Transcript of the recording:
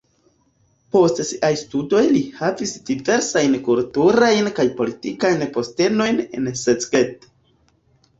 Post siaj studoj li havis diversajn kulturajn kaj politikajn postenojn en Szeged.